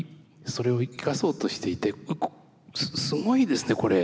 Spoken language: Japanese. それを生かそうとしていてすごいですねこれ。